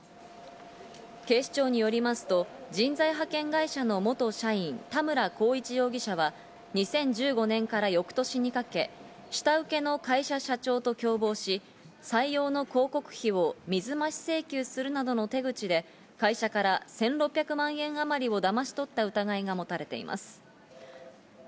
警視庁によりますと、人材派遣会社の元社員・田村浩一容疑者は２０１５年から翌年にかけ、下請けの会社社長と共謀し、採用の広告費を水増し請求するなどの手口で、会社から１６００万円あまりをだまし取った疑いが持たれています。